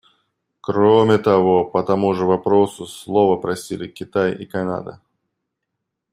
Кроме того, по тому же вопросу слова просили Китай и Канада.